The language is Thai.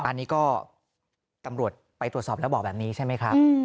อันนี้ก็ตำรวจไปตรวจสอบแล้วบอกแบบนี้ใช่ไหมครับ